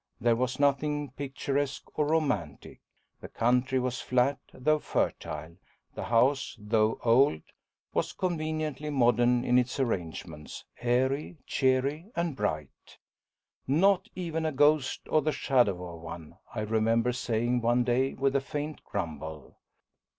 There was nothing picturesque or romantic. The country was flat though fertile, the house, though old, was conveniently modern in its arrangements, airy, cheery, and bright. "Not even a ghost, or the shadow of one," I remember saying one day with a faint grumble.